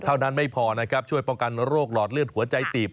เท่านั้นไม่พอนะครับช่วยป้องกันโรคหลอดเลือดหัวใจตีบ